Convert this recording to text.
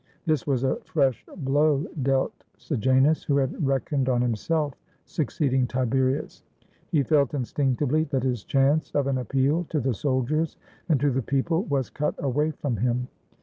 This was a fresh blow dealt Sejanus, who had reckoned on himself succeeding Tiberius. He felt instinctively that his chance of an appeal to the soldiers and to the people was cut away from him.